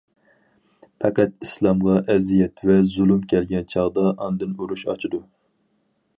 پەقەت ئىسلامغا ئەرزىيەت ۋە زۇلۇم كەلگەن چاغدا ئاندىن ئۇرۇش ئاچىدۇ.